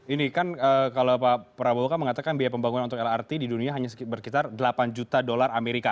ini kan kalau pak prabowo kan mengatakan biaya pembangunan untuk lrt di dunia hanya berkitar delapan juta dolar amerika